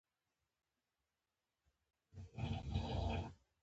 احمد دوه میاشتې پرله پسې کار وکړ. خو نن علي دمه ور کړې ده.